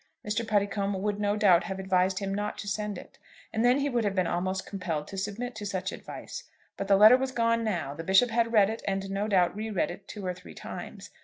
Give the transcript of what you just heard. Mr. Puddicombe would no doubt have advised him not to send it, and then he would have been almost compelled to submit to such advice. But the letter was gone now. The Bishop had read it, and no doubt re read it two or three times.